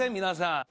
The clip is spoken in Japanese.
皆さん。